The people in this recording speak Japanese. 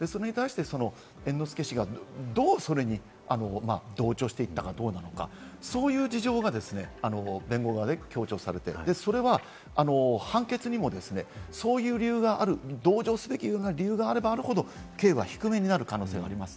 それに対して猿之助氏がどうそれに同調していったかどうなのか、そういう事情が弁護側で強調されて、それは判決にもそういう理由がある、同情すべき理由があればあるほど、刑は低めになる可能性があります。